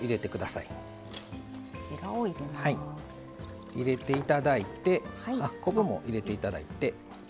はい入れていただいて昆布も入れていただいて。